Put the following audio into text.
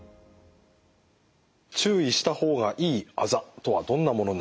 注意した方がいいあざとはどんなものになりますか？